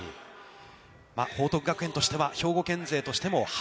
報徳学園としては兵庫県勢としても初。